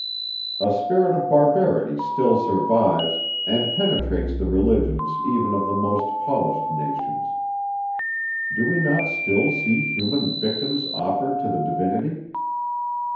A spirit of barbarity still survives, and penetrates the religions even of the most polished nations. Do we not still see human victims offered to the divinity?